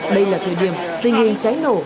đây là thời điểm tình hình cháy nổ